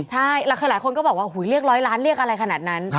ใช่แล้วคือหลายคนก็บอกว่าเรียกร้อยล้านเรียกอะไรขนาดนั้น